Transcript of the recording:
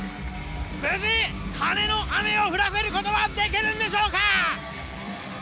無事、金の雨を降らせることはできるのでしょうか。